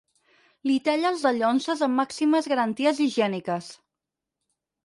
Li talla els dallonses amb màximes garanties higièniques.